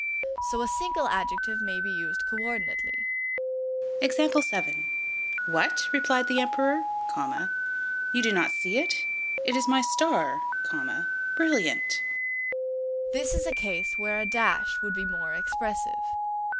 So a single adjective may be used co ordinately: "What!" replied the Emperor, "you do not see it? It is my star, brilliant." This is a case where a dash would be more expressive.